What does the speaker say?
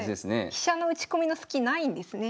飛車の打ち込みのスキないんですね。